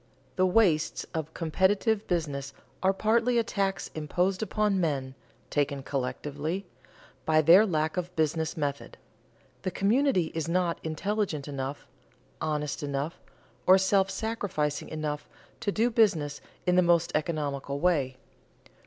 The wastes of competitive business are partly a tax imposed upon men (taken collectively) by their lack of business method; the community is not intelligent enough, honest enough, or self sacrificing enough to do business in the most economical way.